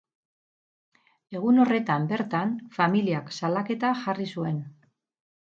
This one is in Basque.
Egun horretan bertan, familiak salaketa jarri zuen.